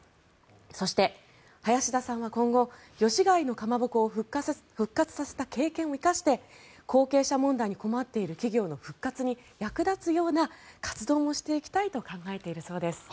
そして、林田さんは今後吉開のかまぼこを復活させた経験を生かして後継者問題に困っている企業の復活に役立つような活動もしていきたいと考えているそうです。